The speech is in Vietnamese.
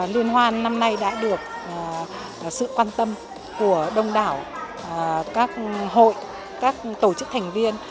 liên hoan năm nay đã được sự quan tâm của đông đảo các hội các tổ chức thành viên